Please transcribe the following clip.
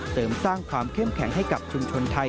เสริมสร้างความเข้มแข็งให้กับชุมชนไทย